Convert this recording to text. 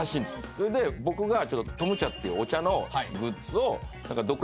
それで僕が「とむ茶」っていうお茶のグッズを。